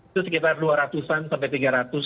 itu sekitar dua ratus an sampai tiga ratus